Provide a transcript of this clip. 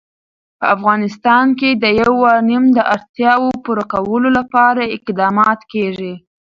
په افغانستان کې د یورانیم د اړتیاوو پوره کولو لپاره اقدامات کېږي.